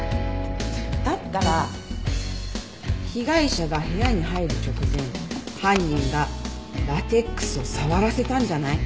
だったら被害者が部屋に入る直前犯人がラテックスを触らせたんじゃない？